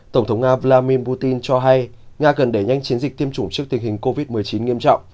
tổng thống nga vladimir putin cho hay nga cần đẩy nhanh chiến dịch tiêm chủng trước tình hình covid một mươi chín nghiêm trọng